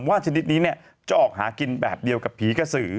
ว่าชนิดนี้จะออกหากินแบบเดียวกับผีกระสือ